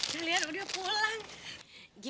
ya liat udah pulang